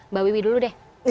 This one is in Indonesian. mbak wiwi dulu deh